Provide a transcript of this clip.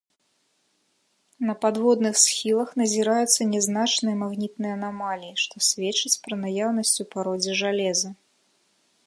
На падводных схілах назіраюцца нязначныя магнітныя анамаліі, што сведчыць пра наяўнасць у пародзе жалеза.